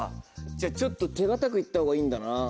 じゃちょっと手堅く行ったほうがいいんだな。